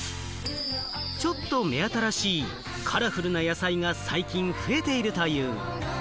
ちょっと目新しいカラフルな野菜が最近増えているという。